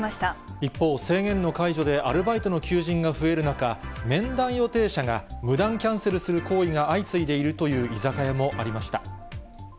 一方、制限の解除でアルバイトの求人が増える中、面談予定者が無断キャンセルする行為が相次いでいるという居酒屋もありました。